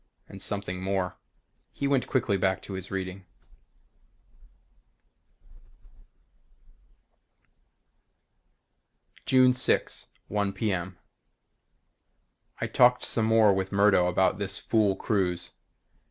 And something more. He went quickly back to his reading: June 6, 1:00 p. m. I talked some more with Murdo about this fool cruise.